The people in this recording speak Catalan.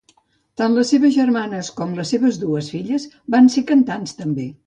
Tant les seves germanes com les seves dues filles van ser cantants també.